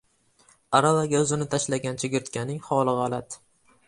• Aravaga o‘zini tashlagan chigirtkaning holi g‘alat.